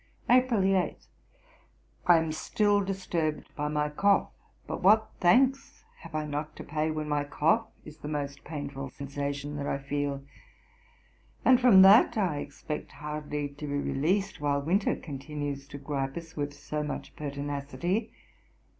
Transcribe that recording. April 8. 'I am still disturbed by my cough; but what thanks have I not to pay, when my cough is the most painful sensation that I feel? and from that I expect hardly to be released, while winter continues to gripe us with so much pertinacity.